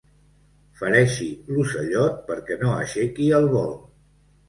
Fereixi l'ocellot perquè no aixequi el vol.